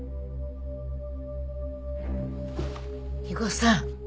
肥後さん